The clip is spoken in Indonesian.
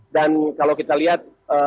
dan kalau kita lihat